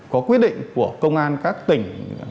có quyết định của công an các tỉnh